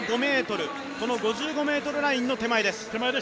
この５５ｍラインの手前です。